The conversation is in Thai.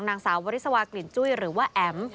นางสาววริสวากลิ่นจุ้ยหรือว่าแอ๋ม